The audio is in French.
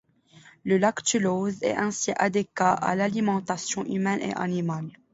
Le lactulose est ainsi adéquat à l’alimentation humaine et animale.